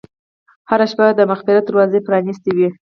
هره شپه د مغفرت دروازه پرانستې وي.